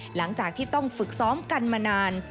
หลังจากที่ต้องฝึกซ้อมกันมานาน